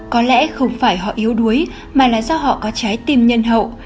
có lẽ không phải họ yếu đuối mà là do họ có trái tim nhân hậu